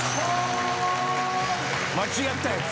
間違ったやつ。